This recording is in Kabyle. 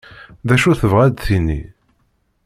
Dacu tebɣa ad tini?